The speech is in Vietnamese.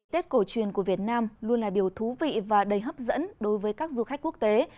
tết cổ truyền của việt nam luôn là điều thú vị và đầy hấp dẫn đối với các du khách quốc tế